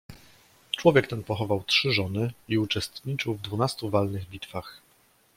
"Człowiek ten pochował trzy żony i uczestniczył w dwunastu walnych bitwach."